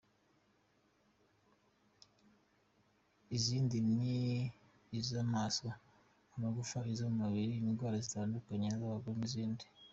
Izindi ni iz’amaso, amagufa, izo mu mubiri, indwara zitandukanye z’abagore n’izindi”.